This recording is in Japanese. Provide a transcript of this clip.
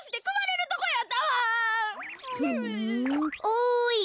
おい！